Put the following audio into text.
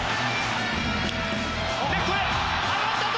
レフトへ上がったぞ。